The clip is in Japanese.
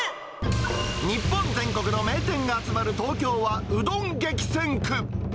日本全国の名店が集まる東京は、うどん激戦区。